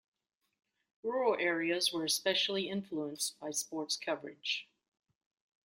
Rural areas were especially influenced by sports coverage.